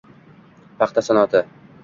paxta sanoati